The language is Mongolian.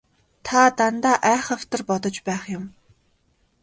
Та дандаа айхавтар бодож байх юм.